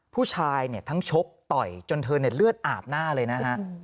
ผู้ชายเนี่ยทั้งชกต่อยจนเธอเนี่ยเลือดอาบหน้าเลยนะฮะ